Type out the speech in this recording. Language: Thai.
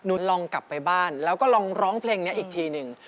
ลองกลับไปบ้านแล้วก็ลองร้องเพลงนี้อีกทีหนึ่ง